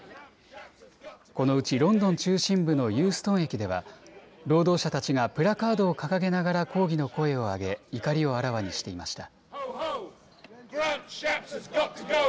このうちロンドン中心部のユーストン駅では労働者たちがプラカードを掲げながら抗議の声を上げ怒りをあらわにしていました。